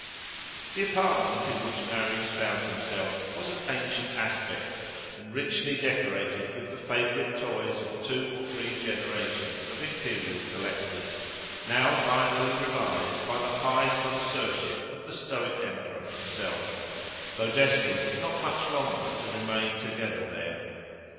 The apartment in which Marius found himself was of ancient aspect, and richly decorated with the favourite toys of two or three generations of imperial collectors, now finally revised by the high connoisseurship of the Stoic emperor himself, though destined not much longer to remain together there.